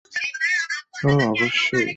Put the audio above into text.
ওহ, অবশ্যই!